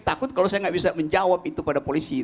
takut kalau saya nggak bisa menjawab itu pada polisi